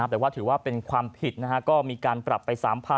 แต่ว่าถือว่าเป็นความผิดก็มีการปรับไป๓๐๐๐